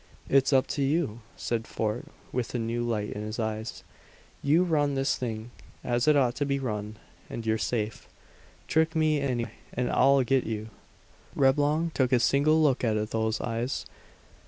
"It's up to you," said Fort with the new light in his eyes. "You run this thing as it ought to be run, and you're safe. Trick me in any way, and I'll get you!" Reblong took a single look at those eyes.